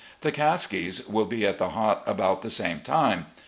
The Caskies will be at the Hot about the same time.